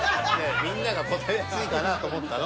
みんなが答えやすいかなと思ったの。